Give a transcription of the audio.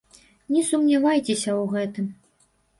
Не сумнявайцеся ў гэтым.